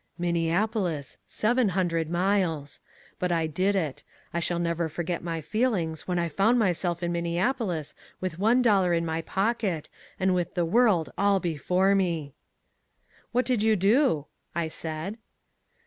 "Minneapolis, seven hundred miles. But I did it. I shall never forget my feelings when I found myself in Minneapolis with one dollar in my pocket and with the world all before me." "What did you do?" I said.